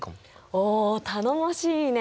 お頼もしいね！